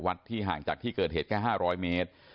ที่ห่างจากที่เกิดเหตุแค่๕๐๐เมตร